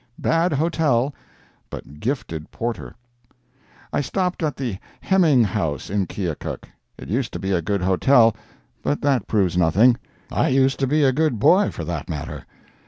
BAD HOTEL, BUT GIFTED PORTER I stopped at the Heming House in Keokuk. It used to be a good hotel, but that proves nothing—I used to be a good boy, for that matter.